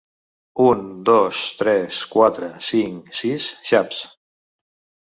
Un dos tres quatre cinc sis xaps.